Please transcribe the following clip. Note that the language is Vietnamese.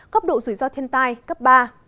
cấp độ rủi ro thiên tai cấp ba